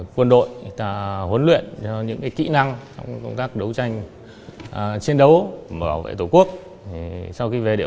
quân đội và huấn luyện cho những cái kỹ năng công tác đấu tranh chiến đấu bảo vệ tổ quốc sau khi về địa